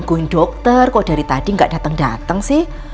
tuan doktor kotari tadi ga deteng deteng sih